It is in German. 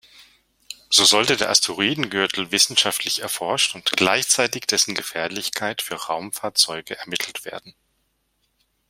So sollte der Asteroidengürtel wissenschaftlich erforscht und gleichzeitig dessen Gefährlichkeit für Raumfahrzeuge ermittelt werden.